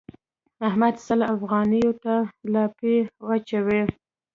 احمد سل افغانيو ته الاپی اچوي.